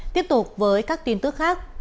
tiếp tục với các tin tức khác